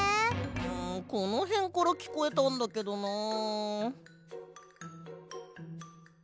んこのへんからきこえたんだけどなあ。